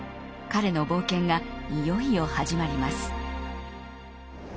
彼の冒険がいよいよ始まります。